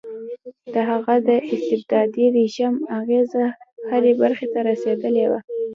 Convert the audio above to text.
د هغه د استبدادي رژیم اغېزه هرې برخې ته رسېدلې وه.